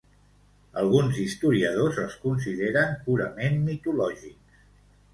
Alguns historiadors els consideren purament mitològics.